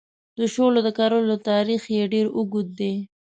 د شولو د کرلو تاریخ یې ډېر اوږد دی.